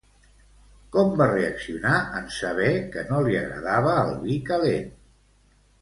Com va reaccionar en saber que no li agradava el vi calent?